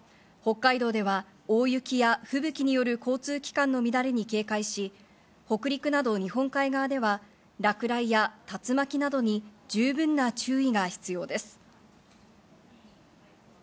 北海道では大雪やふぶきによる交通機関の乱れに警戒し、北陸など日本海側では落雷や竜巻などに十分な注意が必要です。